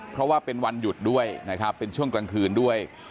เพราะว่าเป็นวันหยุดด้วยนะครับเป็นช่วงกลางคืนด้วย